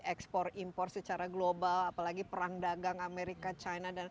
ekspor impor secara global apalagi perang dagang amerika china dan